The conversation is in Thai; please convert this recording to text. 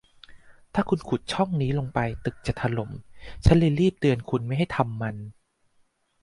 ถ้าคุณขุดช่องนี้ลงไปตึกจะถล่ม ฉันเลยรีบเตือนไม่ให้คุณทำมัน